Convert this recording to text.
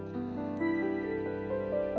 aku bisa bertemu dengan kamu